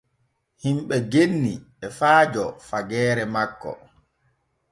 Himɓe genni e faajo fageere makko.